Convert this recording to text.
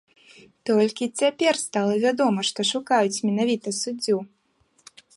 Толькі цяпер стала вядома, што шукаюць менавіта суддзю.